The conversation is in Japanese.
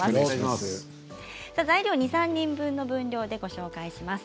材料は２、３人分の分量でご紹介します。